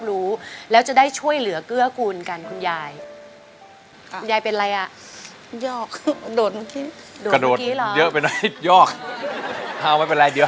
ขอบคุณครับ